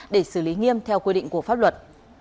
để xử lý nghiêm theo quy định của pháp luật